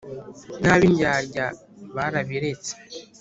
n'ab'indyadya barabiretse